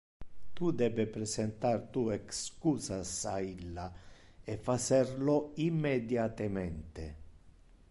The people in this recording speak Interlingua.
Tu debe presentar tu excusas a illa, e facer lo immediatemente.